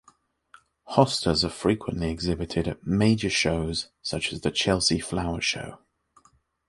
Hostas are frequently exhibited at major shows such as the Chelsea Flower Show.